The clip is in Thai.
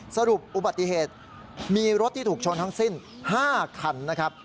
สรุปอุบัติเหตุมีรถที่ถูกชนทั้งสิ้น๕คันนะครับ